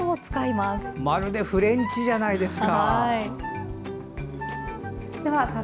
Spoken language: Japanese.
まるでフレンチじゃないですか！